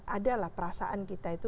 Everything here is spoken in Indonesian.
ada lah perasaan kita itu